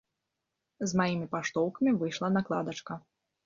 З маімі паштоўкамі выйшла накладачка.